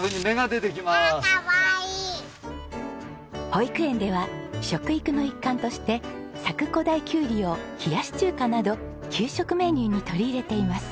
保育園では食育の一環として佐久古太きゅうりを冷やし中華など給食メニューに取り入れています。